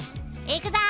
いくぞ！